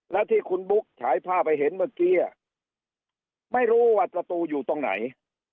แล้วที่คุณบุ๊คฉายภาพให้เห็นเมื่อกี้ไม่รู้ว่าประตูอยู่ตรงไหน